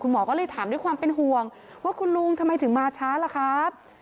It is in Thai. หมอก็เลยถามด้วยความเป็นห่วงว่าคุณลุงทำไมถึงมาช้าล่ะครับ